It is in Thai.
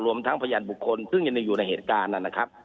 รวมทั้งพยานบุคคลพึ่งเย็นได้อยู่ในเหตุการณ์นั้นนะครับ